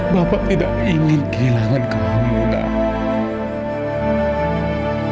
bapak tidak ingin kehilangan kamu nak